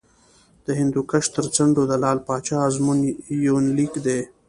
د هندوکش تر څنډو د لعل پاچا ازمون یونلیک دی